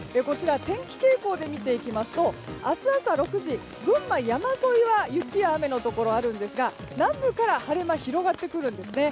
天気傾向で見てみますと明日朝６時群馬山沿いは雪や雨の所があるんですが南部から晴れ間が広がってくるんです。